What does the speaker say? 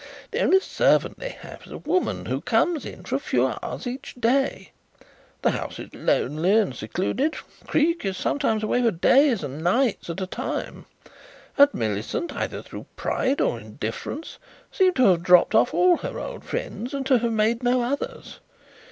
The only servant they have is a woman who comes in for a few hours every day. The house is lonely and secluded. Creake is sometimes away for days and nights at a time, and Millicent, either through pride or indifference, seems to have dropped off all her old friends and to have made no others.